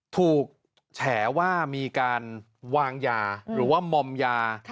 ถูกแฉว่ามีการวางยาหรือว่ามอมยา